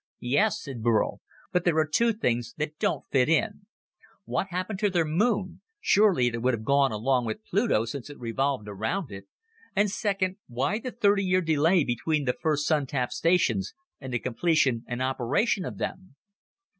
"Yes," said Burl, "but there are two things that don't fit in. What happened to their moon surely it would have gone along with Pluto since it revolved around it? And second, why the thirty year delay between the first Sun tap stations and the completion and operation of them?"